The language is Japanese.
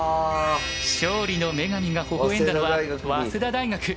勝利の女神がほほ笑んだのは早稲田大学。